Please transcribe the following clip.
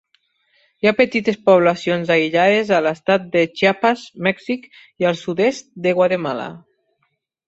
Hi ha petites poblacions aïllades a l'estat de Chiapas, Mèxic, i al sud-est de Guatemala.